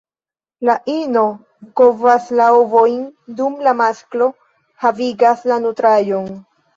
La ino kovas la ovojn, dum la masklo havigas la nutraĵon.